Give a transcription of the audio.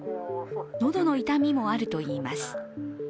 喉の痛みもあるといいます。